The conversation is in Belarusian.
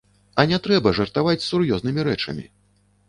А не трэба жартаваць з сур'ёзнымі рэчамі.